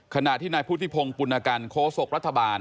ขณะที่นายพุทธิพงศ์ปุณกันโคศกรัฐบาล